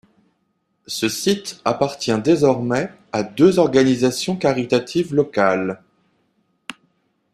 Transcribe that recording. Ce site appartient désormais à deux organisations caritatives locales..